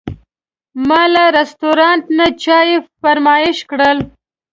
ما له رستورانت نه چای فرمایش کړ.